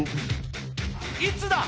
いつだ？